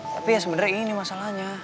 tapi ya sebenarnya ini masalahnya